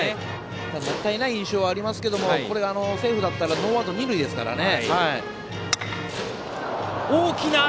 もったいない印象はありますがセーフだったらノーアウト、二塁ですからね。